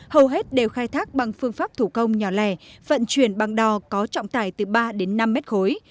hầu hết đều khai thác bằng phương pháp thủ công nhỏ lẻ vận chuyển bằng đò có trọng tải từ ba đến năm mét khối